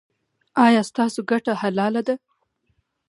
ایا ستاسو ګټه حلاله ده؟